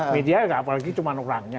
media apalagi cuma orangnya